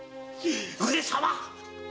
上様！